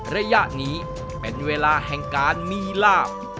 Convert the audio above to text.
ระยะนี้เป็นเวลาแห่งการมีลาบ